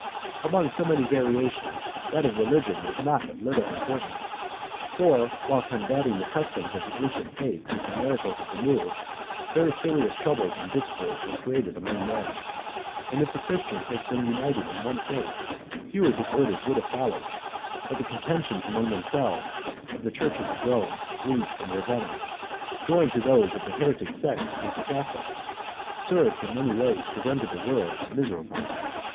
Among so many variations, that of religion was not of little importance; for, while combating the customs of the ancient faith with the miracles of the new, very serious troubles and discords were created among men. And if the Christians had been united in one faith, fewer disorders would have followed; but the contentions among themselves, of the churches of Rome, Greece, and Ravenna, joined to those of the heretic sects with the Catholics, served in many ways to render the world miserable.